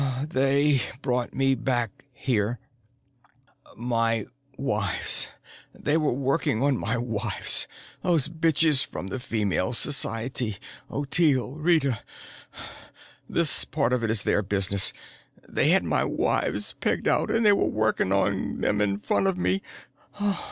"They brought me back here. My wives they were working on my wives. Those bitches from the Female Society Ottilie, Rita this part of it is their business they had my wives pegged out and they worked on them in front of me.